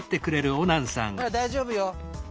ほら大丈夫よ。